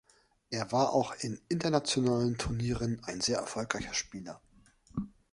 Er war auch in internationalen Turnieren ein sehr erfolgreicher Spieler.